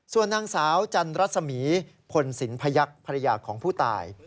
ส่วนนางสาวจันรัศมีพลสินพยักษ์ภรรยาของผู้ตาย